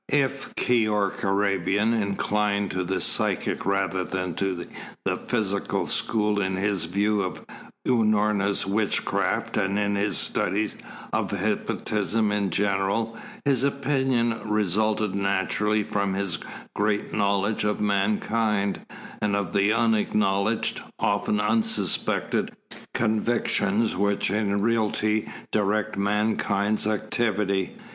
If Keyork Arabian inclined to the psychic rather than to the physical school in his view of Unorna's witchcraft and in his study of hypnotism in general, his opinion resulted naturally from his great knowledge of mankind, and of the unacknowledged, often unsuspected, convictions which in reality direct mankind's activity.